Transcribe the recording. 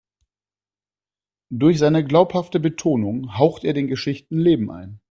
Durch seine glaubhafte Betonung haucht er den Geschichten Leben ein.